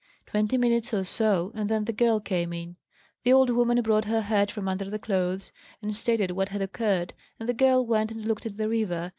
Twenty minutes or so, and then the girl came in. The old woman brought her head from under the clothes, and stated what had occurred, and the girl went and looked at the river.